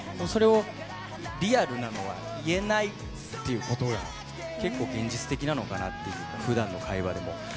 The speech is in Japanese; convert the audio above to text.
それをリアルなのは言えないということが結構、現実的なのかなっていうか普段の会話でも。